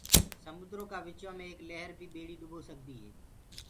سموندرو ڪآ وچو مي ايڪ لهر بي ٻيڙي ڏُٻو سڪدي هي۔